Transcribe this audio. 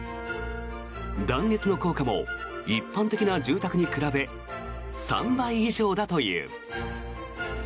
断熱の効果も一般的な住宅に比べ３倍以上だという。